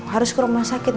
harus ke rumah sakit